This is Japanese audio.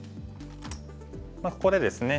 ここでですね